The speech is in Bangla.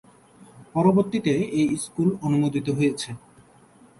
পরবর্তীতে এই স্কুল অনুমোদিত হয়েছে।